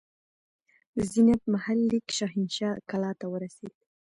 د زینت محل لیک شاهنشاه کلا ته ورسېد.